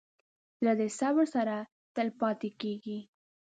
زړه د صبر سره تل پاتې کېږي.